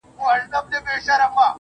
د کلې خلگ به دي څه ډول احسان ادا کړې~